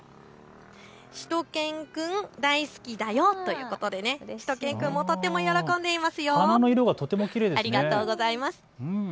しゅと犬くん大好きだよということでしゅと犬くんもとても喜んでいますよ。ありがとうございます。